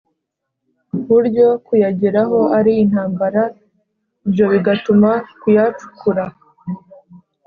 buryo kuyageraho ari intambara, ibyo bigatuma kuyacukura